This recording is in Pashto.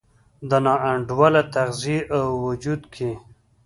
د نا انډوله تغذیې او وجود کې